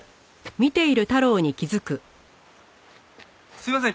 すいません